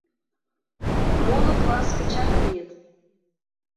Моло класс гычат лийыт...